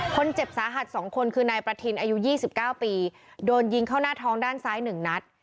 คนเจ็บสาหัสสองคนคือนายประทินอายุยี่สิบเก้าปีโดนยิงเข้าหน้าท้องด้านซ้ายหนึ่งนัด